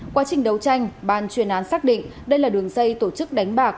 quá trình đấu tranh ban chuyên án xác định đây là đường dây tổ chức đánh bạc